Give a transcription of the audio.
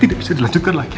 tidak bisa dilanjutkan lagi